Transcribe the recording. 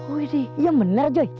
wih iya bener joy